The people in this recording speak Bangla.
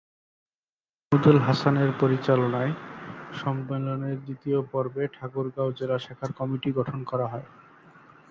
মাহমুদুল হাসানের পরিচালনায় সম্মেলনের দ্বিতীয় পর্বে ঠাকুরগাঁও জেলা শাখার কমিটি গঠন করা হয়।